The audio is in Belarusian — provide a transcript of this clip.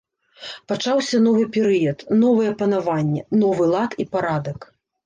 Пачаўся новы перыяд, новае панаванне, новы лад і парадак.